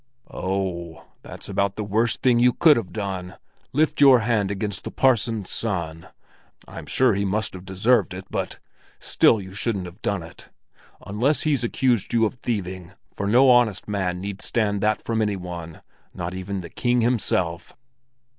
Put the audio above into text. "Oh, that's about the worst thing you could have done—lift your hand against the parson's son! I'm sure he must have deserved it, but—still you shouldn't have done it. Unless he's accused you of thieving, for no honest man need stand that from any one, not even the king himself."